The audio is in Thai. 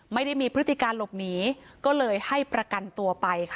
ไม่ได้มีพฤติการหลบหนีก็เลยให้ประกันตัวไปค่ะ